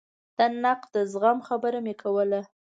د نقد د زغم خبره مې کوله.